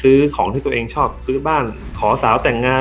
ซื้อของที่ตัวเองชอบซื้อบ้านขอสาวแต่งงาน